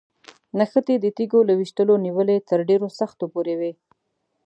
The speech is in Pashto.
نښتې د تیږو له ویشتلو نیولې تر ډېرو سختو پورې وي.